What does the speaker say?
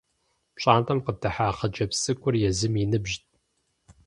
ПщIантIэм къыдыхьа хъыджэбз цIыкIур езым и ныбжьынт.